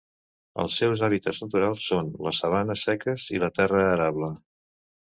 Els seus hàbitats naturals són les sabanes seques i la terra arable.